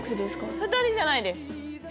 ２人じゃないです。